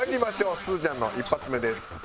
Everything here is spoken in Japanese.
すずちゃんの１発目です。